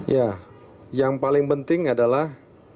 ya yang paling penting adalah